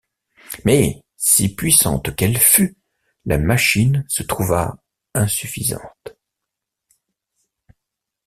Mais, si puissante qu’elle fût, la machine se trouva insuffisante.